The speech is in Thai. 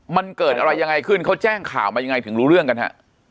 มันเกิดอะไรยังไงขึ้นเขาแจ้งข่าวมายังไงถึงรู้เรื่องกันฮะ